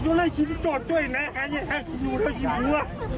อย่าให้ขี้จอดเจ้าอย่างไรแค่ขี้หนู